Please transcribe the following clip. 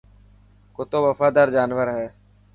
ڪتو وفادار جانور هي.